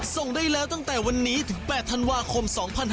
ส่งได้แล้วตั้งแต่วันนี้ถึง๘ธันวาคม๒๕๖๒